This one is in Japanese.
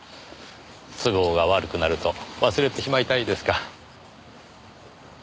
都合が悪くなると忘れてしまいたいですか。